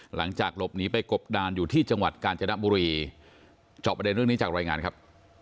หลังจากหลบหนีไปกบดานอยู่ที่จังหวัดกาญจนบุรีจอบประเด็นเรื่องนี้จากรายงานครับ